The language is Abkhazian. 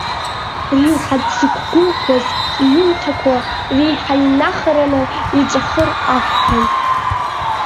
Реиҳа дзықәгәыӷуа иҩымҭақәа реиҳа инахараны иҵәахыр акәхон.